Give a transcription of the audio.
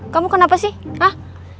kamu kenapa sih